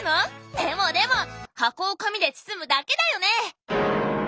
でもでも箱を紙で包むだけだよね？